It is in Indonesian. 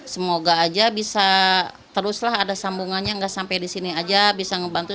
semoga aja bisa teruslah ada sambungannya nggak sampai di sini aja bisa ngebantu